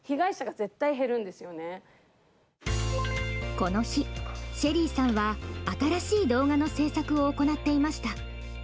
この日、ＳＨＥＬＬＹさんは新しい動画の制作を行っていました。